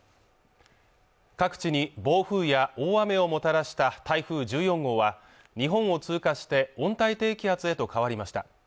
各地に暴風や大雨をもたらした台風１４号は日本を通過して温帯低気圧へと変わりました